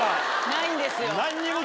ないんですよ。